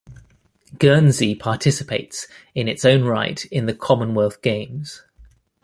Guernsey participates in its own right in the Commonwealth Games.